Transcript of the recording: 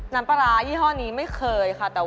น้ำปลาร้ายี่ห้อนี้ไม่เคยค่ะ